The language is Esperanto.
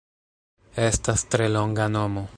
Estas tre longa nomo